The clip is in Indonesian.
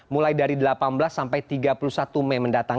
mulai dari delapan belas sampai tiga puluh satu mei mendatang